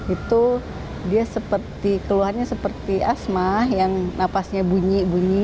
itu dia seperti keluhannya seperti asma yang napasnya bunyi bunyi